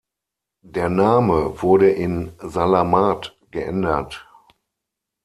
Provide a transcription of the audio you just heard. Der Name wurde in "Salamat" geändert.